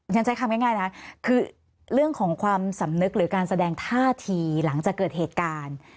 ใช้คำง่ายนะคือเรื่องของความสำนึกหรือการแสดงท่าทีหลังจากเกิดเหตุการณ์